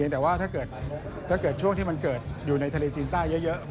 แต่ว่าถ้าเกิดช่วงที่มันเกิดอยู่ในทะเลจีนใต้เยอะ